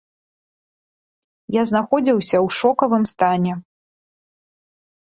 Я знаходзіўся ў шокавым стане.